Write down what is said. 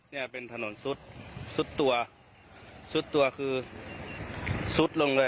เนี่ยเป็นถนนซุดซุดตัวซุดตัวคือซุดลงเลย